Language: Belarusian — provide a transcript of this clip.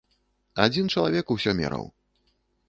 Адзін чалавек усё мераў.